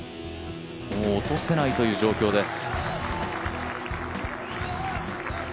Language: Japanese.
もう落とせないという状況です。